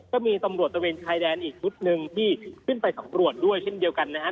ก็มีตำรวจตะเวนชายแดนอีกชุดหนึ่งที่ขึ้นไปสำรวจด้วยเช่นเดียวกันนะฮะ